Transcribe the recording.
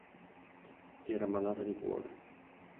Era malata di cuore.